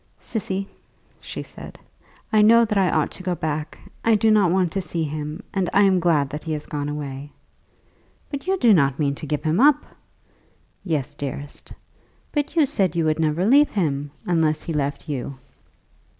"Cissy," she said, "I know that I ought to go back. I do not want to see him, and I am glad that he has gone away." "But you do not mean to give him up?" "Yes, dearest." "But you said you would never leave him, unless he left you."